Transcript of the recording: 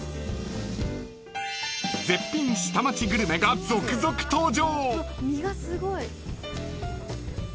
［絶品下町グルメが続々登場！］